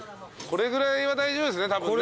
これぐらいは大丈夫ですねタコ。